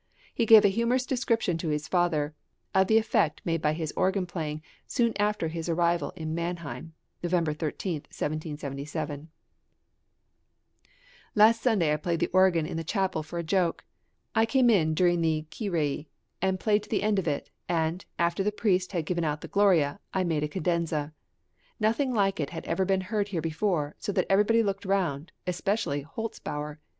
He gave a humorous description to his father of the effect made by his organ playing soon after his arrival in Mannheim (November 13, 1777) Last Sunday I played the organ in the chapel for a joke. I came in during the Kyrie, played the end of it, and, after the priest had given out the Gloria, I made a cadenza. Nothing like it had ever been heard here before, so that everybody looked round, especially Holzbauer.